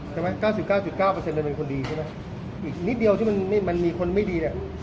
ใช่ไหม๙๙มันเป็นคนดีใช่ไหมอีกนิดเดียวที่มันไม่มันมีคนไม่ดีเนี่ย